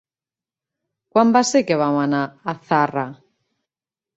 Quan va ser que vam anar a Zarra?